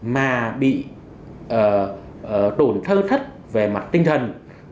mà bị tổn thơ thất về mặt tinh thần